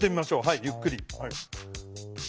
はいゆっくり。